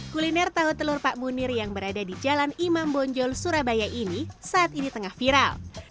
kuliner tahu telur pak munir yang berada di jalan imam bonjol surabaya ini saat ini tengah viral